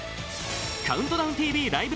「ＣＤＴＶライブ！